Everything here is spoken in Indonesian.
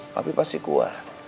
papi pasti kuat